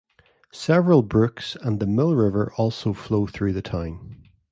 Several brooks and the Mill River also flow through the town.